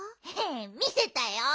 みせたよ。